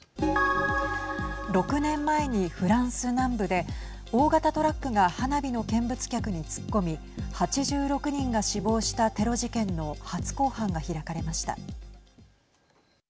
６年前にフランス南部で大型トラックが花火の見物客に突っ込み８６人が死亡したテロ事件の初公判が開かれました。